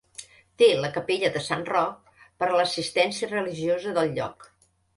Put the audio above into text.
Té la capella de Sant Roc per a l'assistència religiosa del lloc.